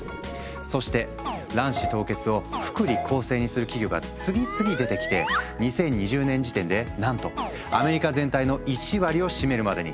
そして卵子凍結を福利厚生にする企業が次々出てきて２０２０年時点でなんとアメリカ全体の１割を占めるまでに。